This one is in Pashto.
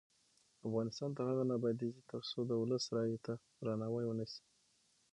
افغانستان تر هغو نه ابادیږي، ترڅو د ولس رایې ته درناوی ونشي.